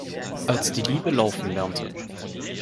Als die Liebe laufen lernte.